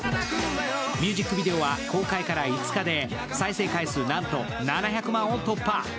ミュージックビデオは公開から５日で再生回数はなんと７００万を突破。